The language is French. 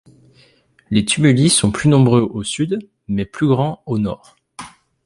Les tumuli sont plus nombreux au sud, mais plus grand au nord.